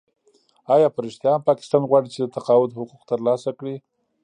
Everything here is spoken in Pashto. آیا په رښتیا هم پاکستان غواړي چې د تقاعد حقوق ترلاسه کړي؟